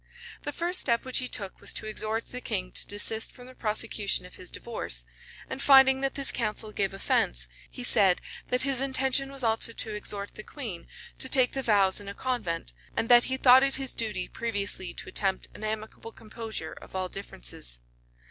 The first step which he took was to exhort the king to desist from the prosecution of his divorce; and finding that this counsel gave offence, he said, that his intention was also to exhort the queen to take the vows in a convent, and that he thought it his duty previously to attempt an amicable composure of all differences.